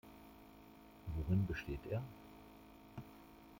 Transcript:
Worin besteht er?